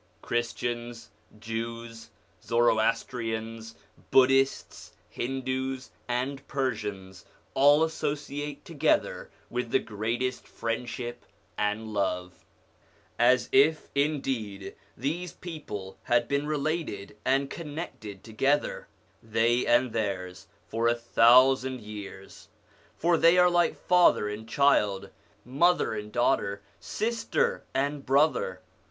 Christians, Jews, Zoroastrians, Buddhists, Hindus, and Persians all associate together with the greatest friend ship and love, as if indeed these people had been related and connected together, they and theirs, for a thousand years ; for they are like father and child, mother and daughter, sister and brother.